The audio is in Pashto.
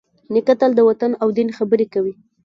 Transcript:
نیکه تل د وطن او دین خبرې کوي.